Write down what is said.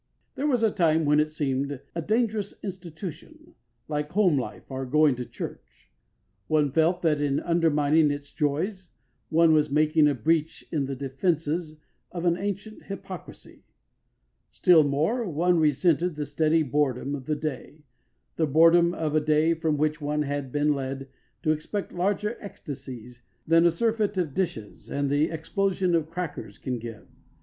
There was a time when it seemed a dangerous institution, like home life or going to church. One felt that in undermining its joys one was making a breach in the defences of an ancient hypocrisy. Still more, one resented the steady boredom of the day the boredom of a day from which one had been led to expect larger ecstasies than a surfeit of dishes and the explosion of crackers can give.